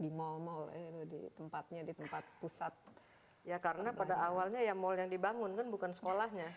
itu di tempatnya di tempat pusat ya karena pada awalnya yang mau yang dibangun bukan sekolahnya